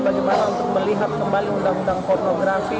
bagaimana untuk melihat kembali undang undang pornografi